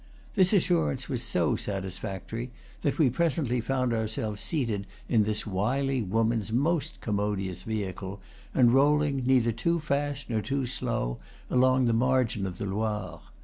This assurance was so satisfactory that we presently found ourselves seated in this wily woman's most com modious vehicle, and rolling, neither too fast nor too slow, along the margin of the Loire.